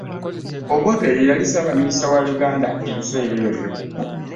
Obote ye yali ssaabaminisita wa Uganda ebiseera ebyo.